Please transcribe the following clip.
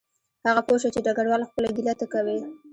هغه پوه شو چې ډګروال خپله ګیله ده ته کوي